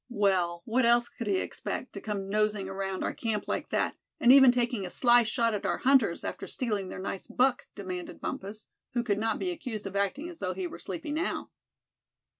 "Well, what else could he expect, to come nosing around our camp like that, and even taking a sly shot at our hunters, after stealing their nice buck?" demanded Bumpus, who could not be accused of acting as though he were sleepy now.